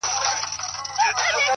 د حقیقت لټون عقل ژوروي